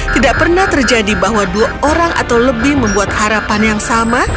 tidak pernah terjadi bahwa dua orang atau lebih membuat harapan yang sama